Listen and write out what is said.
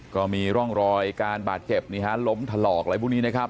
ก็มีร่องรอยการบาดเจ็บนี่ฮะล้มถลอกอะไรพวกนี้นะครับ